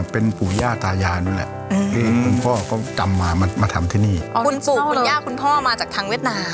เป็นปู่ย่าตายายนู้นแหละอืมที่คุณพ่อเขาจำมามาทำที่นี่อ๋อคุณปู่คุณย่าคุณพ่อมาจากทางเวียดนาม